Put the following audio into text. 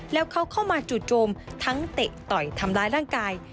แล้วเขาเข้ามาจู่โจมทั้งเตะต่อยทำร้ายร่างกาย